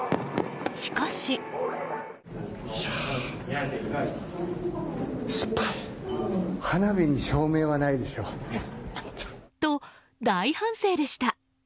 しかし。と、大反省でした。